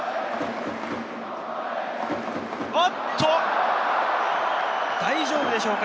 おっと、大丈夫でしょうか？